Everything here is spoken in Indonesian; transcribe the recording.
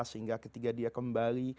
sehingga ketika dia kembali